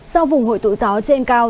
sau vùng hội tụ gió trên cao